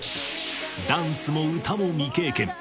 ダンスも歌も未経験